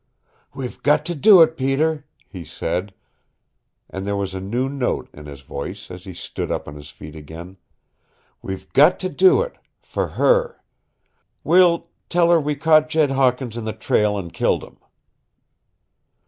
"We've got to do it, Peter," he said, and there was a new note in his voice as he stood up on his feet again. "We've got to do it for her. We'll tell her we caught Jed Hawkins in the trail and killed him."